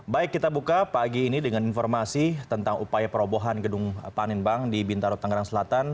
baik kita buka pagi ini dengan informasi tentang upaya perobohan gedung panin bank di bintaro tangerang selatan